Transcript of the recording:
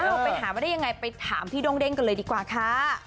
ไปหามาได้ยังไงไปถามพี่ด้งเด้งกันเลยดีกว่าค่ะ